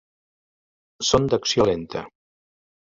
Són d'acció lenta.